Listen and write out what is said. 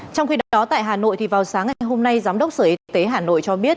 trong khi đó tại hà nội vào sáng ngày hôm nay giám đốc sở y tế hà nội cho biết